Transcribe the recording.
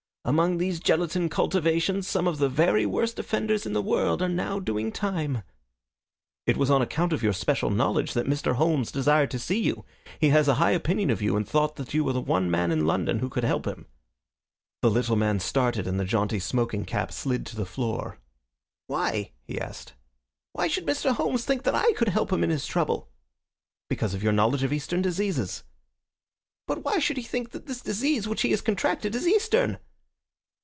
"Among those gelatine cultivations some of the very worst offenders in the world are now doing time." "It was on account of your special knowledge that Mr. Holmes desired to see you. He has a high opinion of you and thought that you were the one man in London who could help him." The little man started, and the jaunty smoking cap slid to the floor. "Why?" he asked. "Why should Mr. Homes think that I could help him in his trouble?" "Because of your knowledge of Eastern diseases." "But why should he think that this disease which he has contracted is Eastern?"